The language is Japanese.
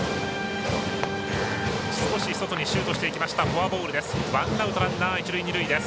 外にシュートしていってフォアボールです。